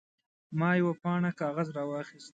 ما یوه پاڼه کاغذ راواخیست.